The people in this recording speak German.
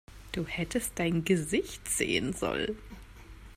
Du hättest dein Gesicht sehen sollen!